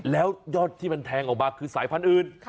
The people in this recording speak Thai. แล้วยอดที่มันแทงออกมาคือสายพันธุ์อื่น